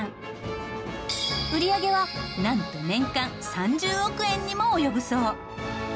売り上げはなんと年間３０億円にも及ぶそう。